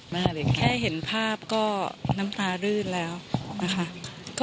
มาเลยค่ะแค่เห็นภาพก็น้ำตารื่นแล้วนะคะ